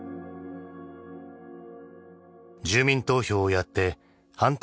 住民投票をやって反対